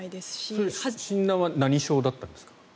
それは診断は何症だったんですか？